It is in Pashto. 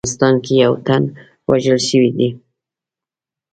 افغانستان کې یو تن وژل شوی دی